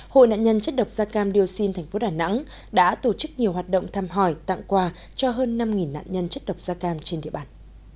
hội nạn nhân chất độc da cam điêu xin thành phố đà nẵng đã tổ chức nhiều hoạt động thăm hỏi tặng quà cho hơn năm nạn nhân chất độc da cam trên địa bàn